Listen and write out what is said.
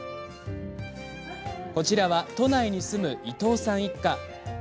こちらは、都内に住む伊藤さん一家です。